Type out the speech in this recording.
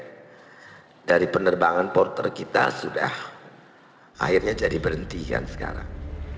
saya sendiri yang menginginkan dari penerbangan porter kita sudah akhirnya jadi berhentikan sekarang